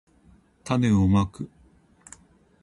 たねをまく